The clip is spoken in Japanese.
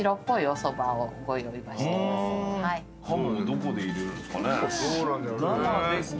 鴨どこで入れるんですかね。